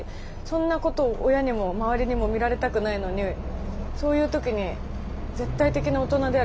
そんなこと親にも周りにも見られたくないのにそういう時に絶対的な大人である先生が味方じゃない。